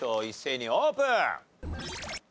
一斉にオープン！